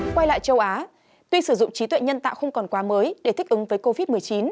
quay lại châu á tuy sử dụng trí tuệ nhân tạo không còn quá mới để thích ứng với covid một mươi chín